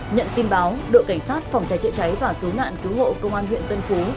nhận tin báo đội cảnh sát phòng cháy chữa cháy và cứu nạn cứu hộ công an huyện tân phú